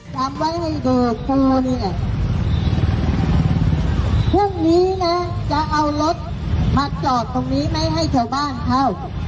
จำไว้ให้ดูคนโมงเย็นครึ่งนี้นะจะเอารถมาจอดตรงนี้ไม่ให้เฉลวบ้านเขา